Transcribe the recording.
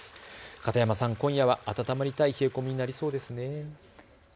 片山さん、今夜は温まりたい冷え込みになりそうですね。